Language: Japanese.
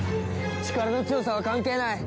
力の強さは関係ない！